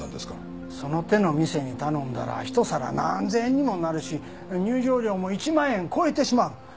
その手の店に頼んだらひと皿何千円にもなるし入場料も１万円超えてしまう。